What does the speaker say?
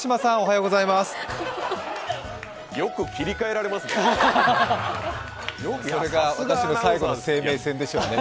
よく切り替えられますね。